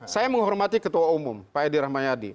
saya menghormati ketua umum pak edi rahmayadi